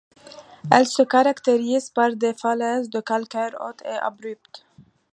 Elle se caractérise par des falaises de calcaire hautes et abruptes.